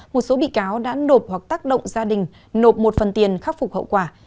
một số bị cáo đã nộp hoặc tác động gia đình nộp một phần tiền khắc phục hậu quả